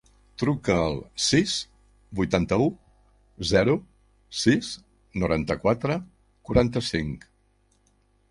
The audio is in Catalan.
Truca al sis, vuitanta-u, zero, sis, noranta-quatre, quaranta-cinc.